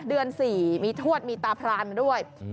เดือน๔มีทวดมีตาพรานมาด้วย